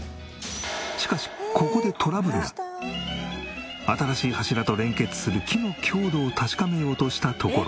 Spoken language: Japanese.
しかし新しい柱と連結する木の強度を確かめようとしたところ。